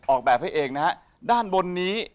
ออกแบบให้เองนะฮะด้านบนนี้